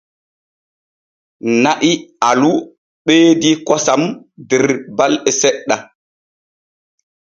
Na'i alu ɓeedi kosam der balde seɗɗen.